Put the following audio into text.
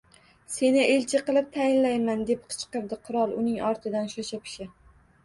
— Seni elchi qilib tayinlayman! — deb qichqirdi qirol uning ortidan shosha-pisha.